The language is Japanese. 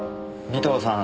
尾藤さん